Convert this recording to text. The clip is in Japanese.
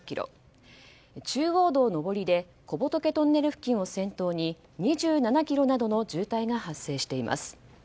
中央道上りで小仏トンネル付近を先頭に２７ｋｍなどの渋滞が発生しています。